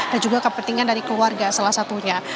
dan juga kepentingan dari keluarga salah satunya